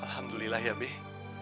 alhamdulillah ya beh